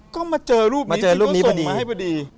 ก็มาเจอรูปนี้ก็ส่งมาให้ดี